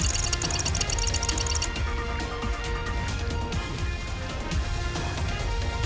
โปรดติดตามตอนต่อไป